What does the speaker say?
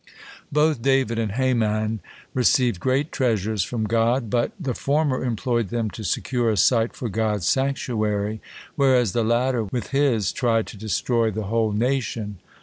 Both David and Haman received great treasures from God, but the former employed them to secure a site for God's sanctuary, whereas the latter with his tried to destroy the whole nation.